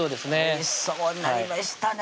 おいしそうになりましたね